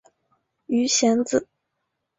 鱼显子